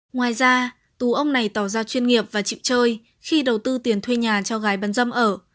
ngoài ra tù ông này tỏ ra chuyên nghiệp và chịu chơi khi đầu tư tiền thuê nhà cho gái bán dâm ở